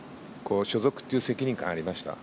所属という責任感ありました？